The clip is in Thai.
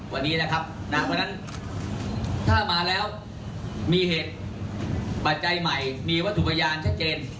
วันนี้นะครับเพราะฉะนั้นถ้ามาแล้วมีเหตุปัจจัยใหม่มีวัตถุพยานชัดเจน